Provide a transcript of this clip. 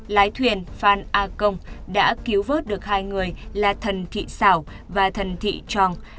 lái thuyền phan a công đã cứu vớt được hai người là thần thị xảo và thần thị tròng